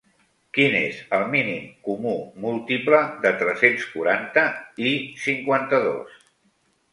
Quin és el mínim comú múltiple de tres-cents quaranta i cinquanta-dos?